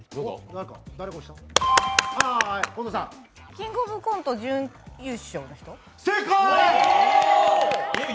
「キングオブコント」準優勝の人？